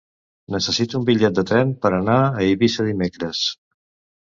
Necessito un bitllet de tren per anar a Eivissa dimecres.